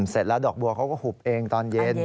เสร็จแล้วดอกบัวเขาก็หุบเองตอนเย็น